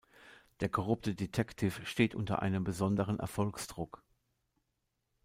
Der korrupte Detective steht unter einem besonderen Erfolgsdruck.